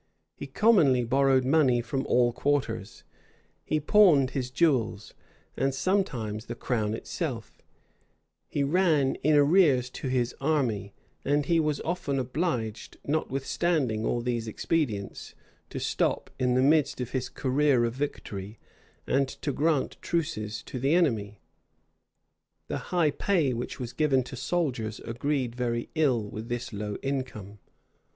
He commonly borrowed money from all quarters; he pawned his jewels, and sometimes the crown itself;[] he ran in arrears to his army; and he was often obliged, notwithstanding all these expedients, to stop in the midst of his career of victory, and to grant truces to the enemy. The high pay which was given to soldiers agreed very ill with this low income.